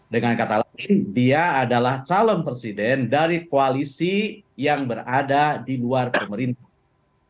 dengan kata lain dia adalah calon presiden dari koalisi yang berada di luar pemerintahan